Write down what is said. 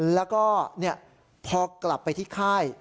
แล้วก็พอกลับไปที่ค่าย